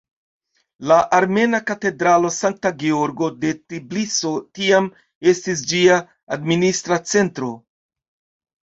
La armena katedralo Sankta Georgo de Tbiliso tiam estis ĝia administra centro.